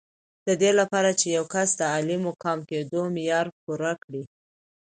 د دې لپاره چې یو کس د عالي مقام کېدو معیار پوره کړي.